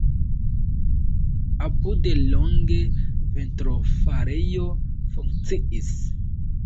Apude longe vitrofarejo funkciis.